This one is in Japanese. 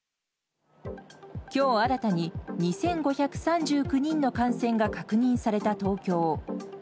きょう新たに２５３９人の感染が確認された東京。